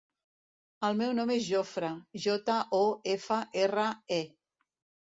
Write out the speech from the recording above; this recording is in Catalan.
El meu nom és Jofre: jota, o, efa, erra, e.